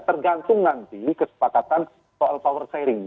tergantung nanti kesepakatan soal power sharing